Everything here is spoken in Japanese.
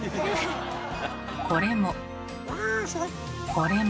これも。